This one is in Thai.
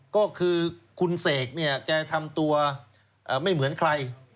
ก็คือคุณเสกเนี่ยแกทำตัวไม่เหมือนใคร